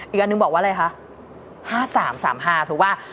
อีกอันนึงบอกว่าอะไรคะ๕๓๓๕ถูกป่ะ